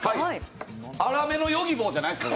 粗めのヨギボーじゃないんですか？